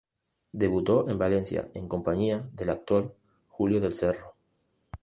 Debutó en Valencia, en la compañía del actor Julio del Cerro.